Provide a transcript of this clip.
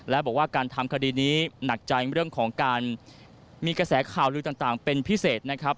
และบอกว่าการทำคดีนี้หนักใจเรื่องของการมีกระแสข่าวลือต่างเป็นพิเศษนะครับ